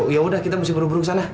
yaudah kita mesti burung burung sana